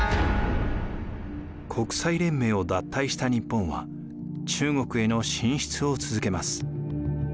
国際連盟を脱退した日本は中国への進出を続けます。